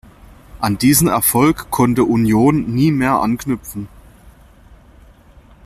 An diesen Erfolg konnte Union nie mehr anknüpfen.